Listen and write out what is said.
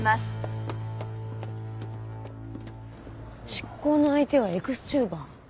執行の相手はエクスチューバー？